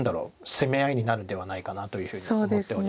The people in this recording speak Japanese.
攻め合いになるんではないかなというふうに思っております。